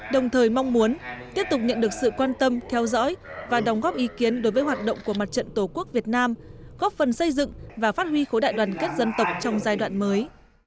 đồng thời mong muốn tiếp tục nhận được sự quan tâm theo dõi và đóng góp ý kiến đối với hoạt động của mặt trận tổ quốc việt nam góp phần xây dựng và phát huy khối đại đoàn kết dân tộc trong giai đoạn mới